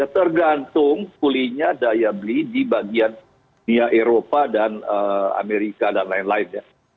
tergantung pulihnya daya beli di bagian dunia eropa dan amerika dan lain lain ya